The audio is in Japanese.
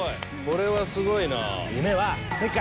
これはすごいな。